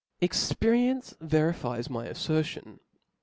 Experience verifies my affertion.